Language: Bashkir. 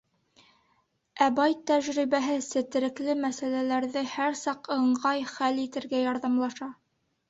Ә бай тәжрибәһе сетерекле мәсьәләләрҙе һәр саҡ ыңғай хәл итергә ярҙамлаша.